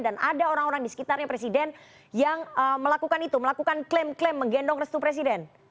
dan ada orang orang di sekitarnya presiden yang melakukan itu melakukan klaim klaim menggendong restu presiden